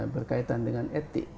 berkaitan dengan etik